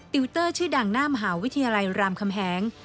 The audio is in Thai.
ติวเตอร์ชื่อดังหน้ามหาวิทยาลัยรามคำแหง